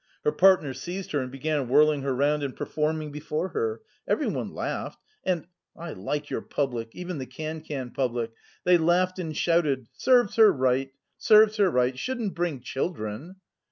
Her partner seized her and began whirling her round and performing before her; everyone laughed and I like your public, even the cancan public they laughed and shouted, 'Serves her right serves her right! Shouldn't bring children!